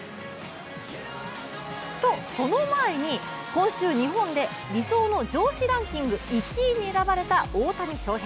と、その前に今週日本で理想の上司ランキング１位に選ばれた大谷翔平。